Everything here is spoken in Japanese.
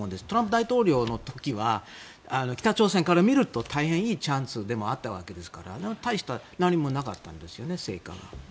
トランプ大統領の時は北朝鮮から見ると大変いいチャンスでもあったわけですけれど大して何も成果がなかったんですよね。